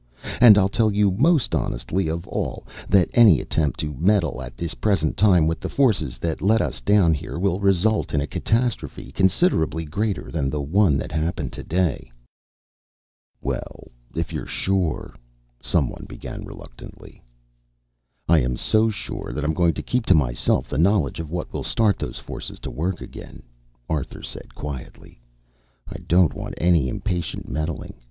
And I'll tell you most honestly of all that any attempt to meddle at this present time with the forces that let us down here will result in a catastrophe considerably greater than the one that happened to day." "Well, if you're sure " some one began reluctantly. "I am so sure that I'm going to keep to myself the knowledge of what will start those forces to work again," Arthur said quietly. "I don't want any impatient meddling.